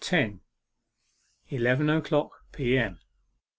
ELEVEN O'CLOCK P.M.